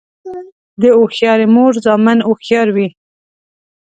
د هوښیارې مور زامن هوښیار وي.